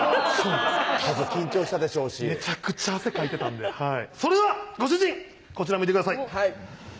さぞ緊張したでしょうしめちゃくちゃ汗かいてたんでそれではご主人こちら向いてください